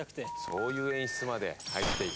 そういう演出まで入っていて。